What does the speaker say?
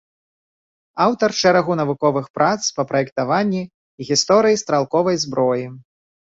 Аўтар шэрагу навуковых прац па праектаванні і гісторыі стралковай зброі.